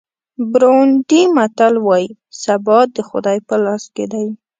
بورونډي متل وایي سبا د خدای په لاس کې دی.